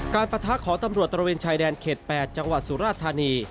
ปะทะของตำรวจตระเวนชายแดนเขต๘จังหวัดสุราธานี